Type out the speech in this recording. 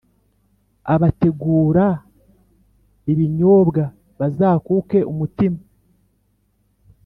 abategura ibinyobwa bazakuke umutima,